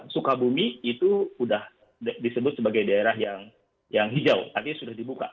sukabumi itu sudah disebut sebagai daerah yang hijau artinya sudah dibuka